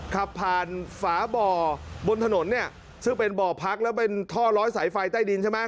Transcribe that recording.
ขับผ่านฝาบ่อบนถนนเนี่ยซึ่งเป็นบ่อพักแล้วเป็นท่อร้อยสายไฟใต้ดินใช่ไหม